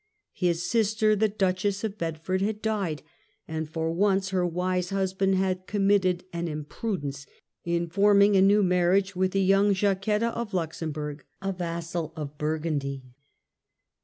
His sister the Duchess of Bedford had died and for once her wise husband had committed an imprudence in forming a new marriage with the young Jacquetta of Luxemburg, a vassal of Burgundy.